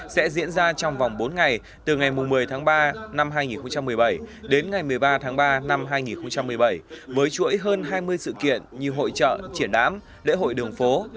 sẽ diễn ra trong vòng bốn ngày từ ngày một mươi tháng ba năm hai nghìn một mươi bảy đến ngày một mươi ba tháng ba năm hai nghìn một mươi bảy với chuỗi hơn hai mươi sự kiện như hội trợ triển lãm lễ hội đường phố